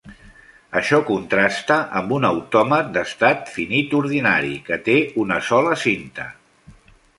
Això contrasta amb un autòmat d'estat finit ordinari, que té una sola cinta.